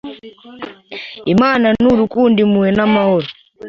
imana nurukundo Impuhwe namahoro